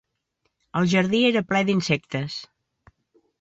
El jardí era ple d'insectes.